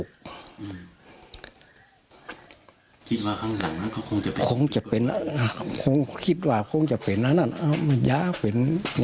เขาคิดว่าก็จะเป็นอย่างนั้น